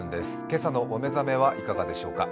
今朝のおめざめはいかがでしょうか？